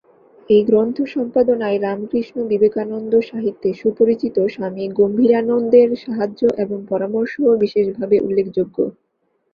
এই গ্রন্থ সম্পাদনায় রামকৃষ্ণ-বিবেকানন্দ সাহিত্যে সুপরিচিত স্বামী গম্ভীরানন্দের সাহায্য এবং পরামর্শও বিশেষভাবে উল্লেখযোগ্য।